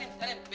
be kenapa be